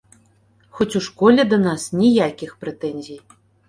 Хоць у школе да нас ніякіх прэтэнзій.